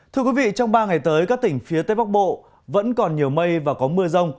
thưa quý vị trong ba ngày tới các tỉnh phía tây bắc bộ vẫn còn nhiều mây và có mưa rông